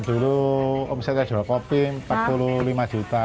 dulu omsetnya jual kopi empat puluh lima juta